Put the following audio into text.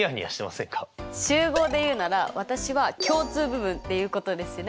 集合で言うなら私は共通部分っていうことですね。